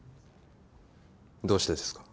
どうしてですか？